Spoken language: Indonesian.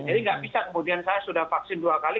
jadi nggak bisa kemudian saya sudah vaksin dua kali